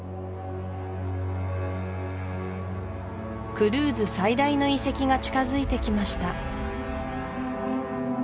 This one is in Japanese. クルーズ最大の遺跡が近づいてきました